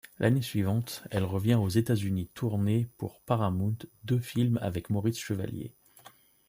L’année suivante, elle revient aux États-Unis tourner pour Paramount deux films avec Maurice Chevalier.